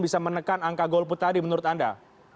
bisa menekan angka golput tadi menurut anda